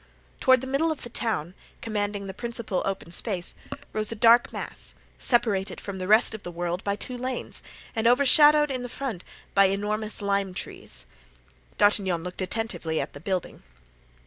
Toward the middle of the town, commanding the principal open space, rose a dark mass, separated from the rest of the world by two lanes and overshadowed in the front by enormous lime trees. D'Artagnan looked attentively at the building.